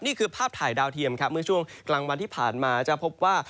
นี่คือภาพถ่ายดาวเทียมครับเมื่อช่วงกลางวันที่ผ่านมาจะพบว่า